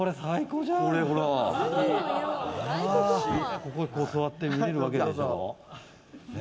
ここにこう座って見えるわけだ。